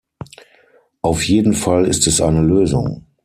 Auf jeden Fall ist es eine Lösung.